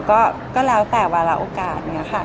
ก็แล้วแต่ว่าละโอกาสอย่างนี้ค่ะ